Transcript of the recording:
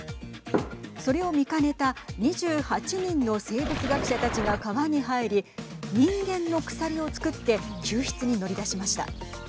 それを見かねた２８人の生物学者たちが川に入り人間の鎖を作って救出に乗り出しました。